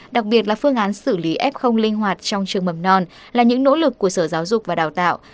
đặc biệt là phương án xử lý f linh hoạt trong trường mầm non là những nỗ lực của sở giáo dục và đào tạo